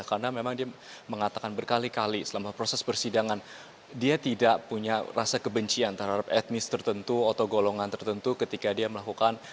karena memang dia mengatakan berkali kali selama proses persidangan dia tidak punya rasa kebencian terhadap etnis tertentu atau golongan tertentu ketika dia melakukan